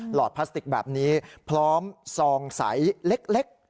หอดพลาสติกแบบนี้พร้อมซองใสเล็ก